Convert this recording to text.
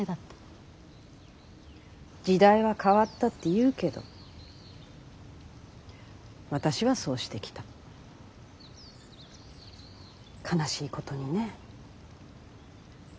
時代は変わったっていうけど私はそうしてきた悲しいことにね。